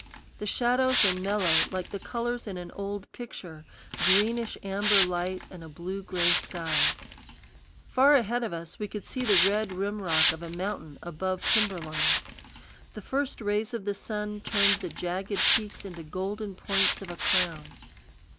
The shadows are mellow, like the colors in an old picture greenish amber light and a blue gray sky. Far ahead of us we could see the red rim rock of a mountain above timber line. The first rays of the sun turned the jagged peaks into golden points of a crown.